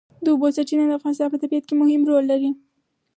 د اوبو سرچینې د افغانستان په طبیعت کې مهم رول لري.